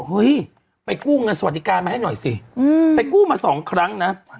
เฮ้ยไปกู้เงินสวัสดิการมาให้หน่อยสิไปกู้มาสองครั้งนะ